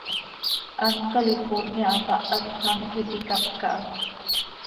Hant Califórnia hapáh hac anxö iiqui capca ha.